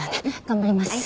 頑張ります。